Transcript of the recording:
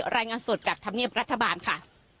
รายงานสดจากธรรมเนียบรัฐบาลค่ะ